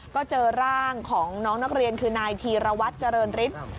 ก็เจอร่างของน้องนักเรียนคือนายธีรวัตรเจริญฤทธิ์